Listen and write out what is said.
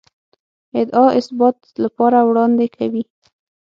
ادعا اثبات لپاره وړاندې کوي.